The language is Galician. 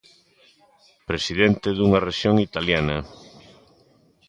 Presidente dunha rexión italiana.